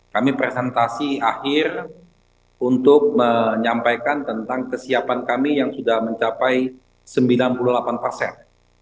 kami presentasi akhir untuk menyampaikan tentang kesiapan kami yang sudah mencapai sembilan puluh delapan persen